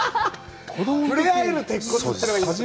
触れ合える鉄骨というのがいいですね。